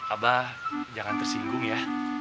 abah jangan tersinggung ya